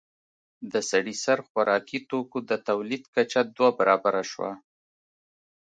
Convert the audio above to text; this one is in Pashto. د سړي سر خوراکي توکو د تولید کچه دوه برابره شوه